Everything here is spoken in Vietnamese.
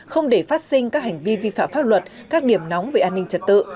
không để phát sinh các hành vi vi phạm pháp luật các điểm nóng về an ninh trật tự